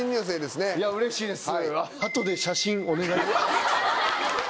うれしいです。